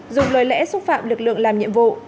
dùng lời lẽ xúc phạm lực lượng làm nhiệm vụ